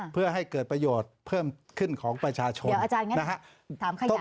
เพื่อให้เกิดประโยชน์เพิ่มขึ้นของประชาชนนะครับ